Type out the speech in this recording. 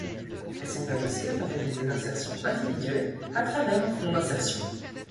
Elle s’engage aussi à favoriser l’insertion individuelle à travers un fond d’insertion.